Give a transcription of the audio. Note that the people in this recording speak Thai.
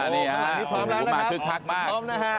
อ๋อนี่ครับมาชึกทักมาก